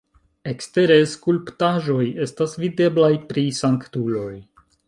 Ekstere skulptaĵoj estas videblaj pri sanktuloj.